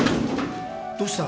どうした？